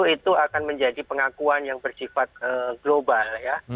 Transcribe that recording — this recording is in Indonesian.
itu akan menjadi pengakuan yang bersifat global ya